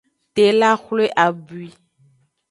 Tela xwle abwui.